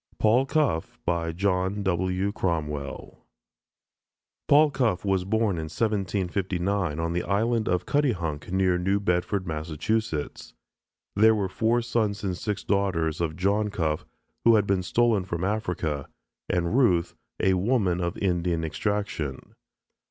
PAUL CUFFE JOHN W. CROMWELL Paul Cuffe was born in 1759 on the island of Cuttyhunk, near New Bedford, Massachusetts. There were four sons and six daughters of John Cuffe who had been stolen from Africa, and Ruth, a woman of Indian extraction.